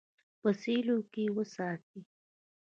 په سیلو کې یې وساتي.